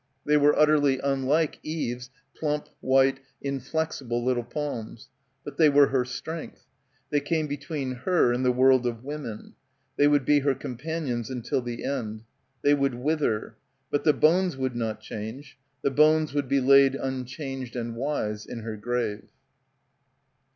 They were utterly unlike Eve's plump, white, inflexible little palms. But they were her strength. They came between her and the world of women. They would be her com panions until the end. They would wither. But the bones would not change. The bones would be laid unchanged and wise, in her grave.